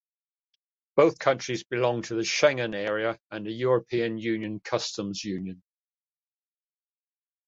Both countries belong to the Schengen Area and the European Union Customs Union.